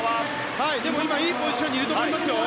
いいポジションにいると思いますよ。